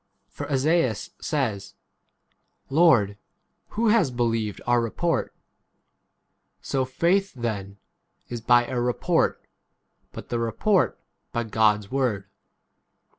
For Esaias says, Lord, l ? who has believed our report ? So faith then [is] by a report, but the 18 report by God's word.